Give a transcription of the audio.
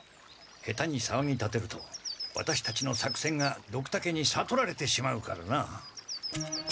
下手にさわぎ立てるとワタシたちの作戦がドクタケにさとられてしまうからな。